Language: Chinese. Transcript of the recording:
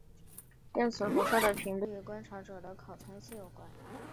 电磁辐射的频率与观察者的参考系有关。